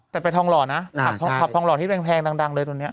แต่ไปทองหล่อนะผับทองหล่อที่แพงดังเลยตอนนี้